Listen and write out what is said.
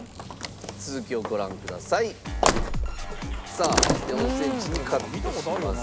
さあ４センチにカットします。